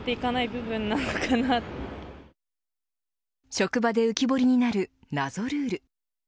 職場で浮き彫りになる謎ルール。